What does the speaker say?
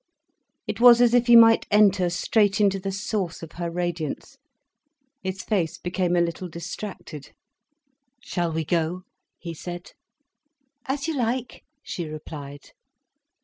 It was as if he might enter straight into the source of her radiance. His face became a little distracted. "Shall we go?" he said. "As you like," she replied.